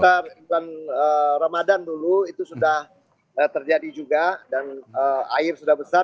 kita bulan ramadan dulu itu sudah terjadi juga dan air sudah besar